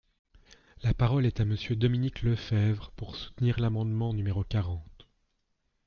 La parole est à Monsieur Dominique Lefebvre, pour soutenir l’amendement numéro quarante.